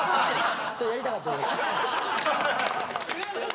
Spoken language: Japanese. ちょっとやりたかっただけです。